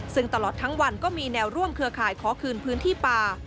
ซึ่งตลอดทั้งวันก็มีแนวร่วมเครือข่ายขอคืนพื้นที่ป่า